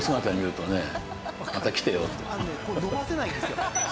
あのね伸ばせないんですよ。